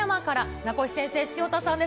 名越先生、潮田さんです。